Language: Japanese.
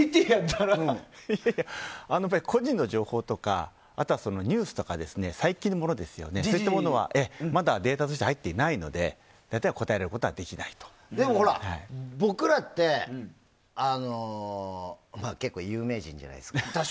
個人の情報とかあとはニュースとか最近のものそういったものはまだデータとして入っていないのででも、僕らって結構、有名人じゃないですか。